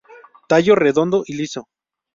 Tallo redondo y liso.